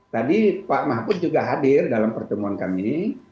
tadi pak mahfud juga hadir dalam pertemuan kami